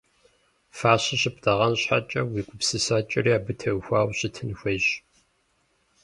Фащэр щыптӀэгъэн щхьэкӀэ, уи гупсысэкӀэри абы техуэу щытын хуейщ.